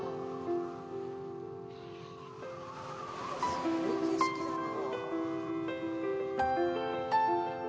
スゴい景色だな。